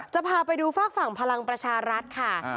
จะพาไปดูฝากฝั่งพลังประชารัฐค่ะ